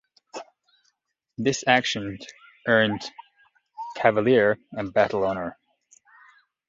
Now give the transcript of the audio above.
This action earned "Cavalier" a battle honour.